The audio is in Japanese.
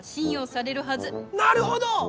なるほど！